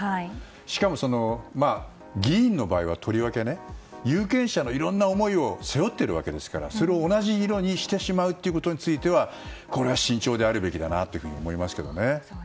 しかも、議員の場合はとりわけ有権者のいろんな思いを背負ってるわけですからそれを同じ色にしてしまうことについてはこれは慎重であるべきだなというふうに思いますけどね。